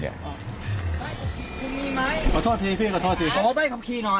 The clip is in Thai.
คุณมีไหมครับขอแจบที